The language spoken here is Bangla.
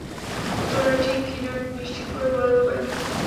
তথ্যটা ঠিক কি না, নিশ্চিত করে বলার উপায় নেই।